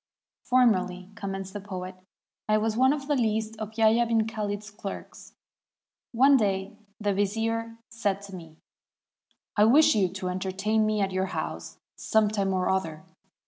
"Formerly," commenced the poet, "I was one of the least of Yahya 'bn Khalid's clerks. One day the vizier said to me, 'I wish you to entertain me at your house some time or other.'